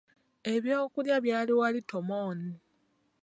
Ebyokulya byali wali ttomooni.